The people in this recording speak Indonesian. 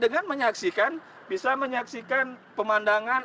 dengan menyaksikan bisa menyaksikan pemandangan